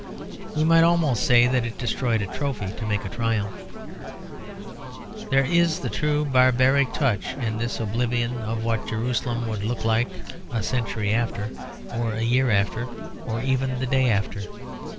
We might almost say that it destroyed a trophy to make a triumph. There is the true barbaric touch in this oblivion of what Jerusalem would look like a century after, or a year after, or even the day after.